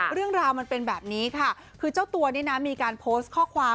เรื่องราวมันเป็นแบบนี้ค่ะคือเจ้าตัวนี่นะมีการโพสต์ข้อความ